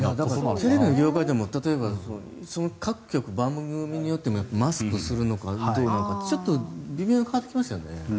テレビの業界でも例えば、各局番組によってもマスクをするのかどうなのか微妙に変わってきましたよね。